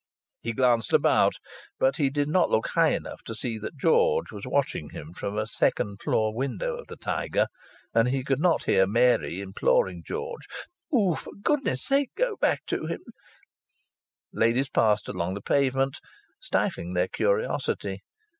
He glanced about, but he did not look high enough to see that George was watching him from a second floor window of the Tiger, and he could not hear Mary imploring George: "Do for goodness sake go back to him." Ladies passed along the pavement, stifling their curiosity.